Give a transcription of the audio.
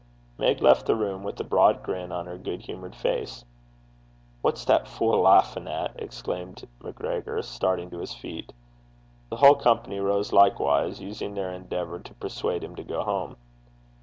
Meg left the room, with a broad grin on her good humoured face. 'What's the bitch lauchin' at?' exclaimed MacGregor, starting to his feet. The whole company rose likewise, using their endeavour to persuade him to go home.